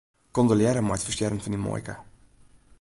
Kondolearre mei it ferstjerren fan dyn muoike.